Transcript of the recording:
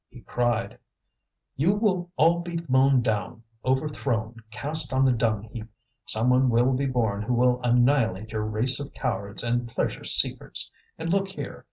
He cried: "You will all be mown down, overthrown, cast on the dung heap. Someone will be born who will annihilate your race of cowards and pleasure seekers. And look here!